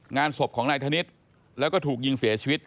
งานศพของนายธนิษฐ์แล้วก็ถูกยิงเสียชีวิต